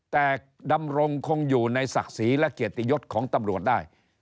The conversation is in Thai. แต่ดำรงคงอยู่ในศักดิ์ศรีและเกียรติยศของตำรวจได้